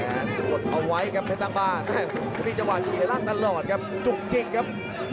เอาไว้ครับเพศาบาทที่จังหวัดเกลียดร่างตลอดครับจุกจิกครับ